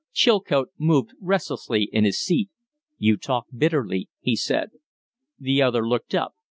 Chilcote moved restlessly in his seat. "You talk bitterly," he said. The other looked up.